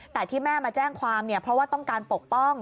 แต่ที่แม่มาแจ้งความเนี่ยเพราะว่าต้องการปกป้อง